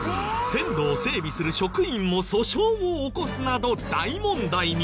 線路を整備する職員も訴訟を起こすなど大問題に！